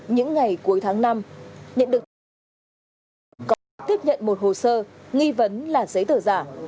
những ngày cuối tháng năm nhận được thông tin là công an có tiếp nhận một hồ sơ nghi vấn là giấy tờ giả